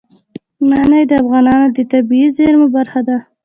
منی د افغانستان د طبیعي زیرمو برخه ده.